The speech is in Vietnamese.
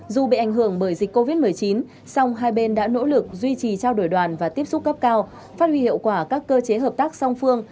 dù bị ảnh hưởng bởi dịch covid một mươi chín song hai bên đã nỗ lực duy trì trao đổi đoàn và tiếp xúc cấp cao phát huy hiệu quả các cơ chế hợp tác song phương